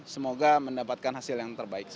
semoga mendapatkan hasil yang terbaik